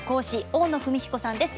大野文彦さんです。